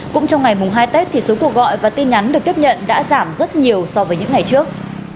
cũng trong ngày mùng hai tết thì số cuộc gọi và tin nhắn được tiếp nhận đã giảm rất nhiều so với những ngày trước